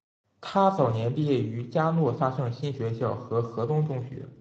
她早年毕业于嘉诺撒圣心学校和何东中学。